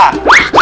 tegak tahu pak